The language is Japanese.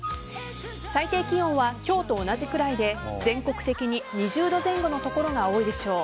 最低気温は今日と同じくらいで全国的に２０度くらいの所が多いでしょう。